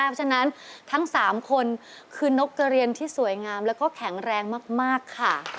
เพราะฉะนั้นทั้ง๓คนคือนกกระเรียนที่สวยงามแล้วก็แข็งแรงมากค่ะ